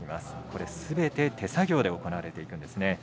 これすべて手作業で行われていくんですね。